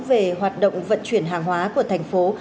về hoạt động vận chuyển hàng hóa của thành phố